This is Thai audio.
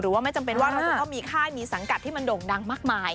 ว่าไม่จำเป็นว่าเราจะต้องมีค่ายมีสังกัดที่มันโด่งดังมากมาย